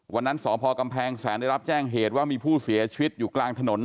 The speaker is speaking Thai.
วันนั้นสพกำแพงแสนได้รับแจ้งเหตุว่ามีผู้เสียชีวิตอยู่กลางถนน